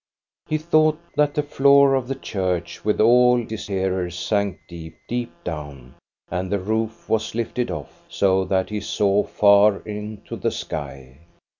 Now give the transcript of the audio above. He thought that the floor of the church with all his hearers sank deep, deep down, and the roof was lifted off, so that he saw far into the sky.